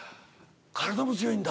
体も強いんだ。